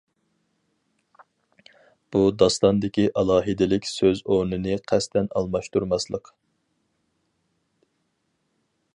بۇ داستاندىكى ئالاھىدىلىك سۆز ئورنىنى قەستەن ئالماشتۇرماسلىق.